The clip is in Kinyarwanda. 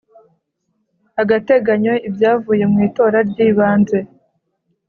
agateganyo ibyavuye mu itora ryi banze